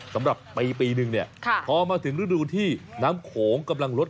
สำหรับปีมาปีหนึ่งเนี้ยข้าพอมาถึงรุ่นฐานุ่นที่น้ำโขงกำรังลด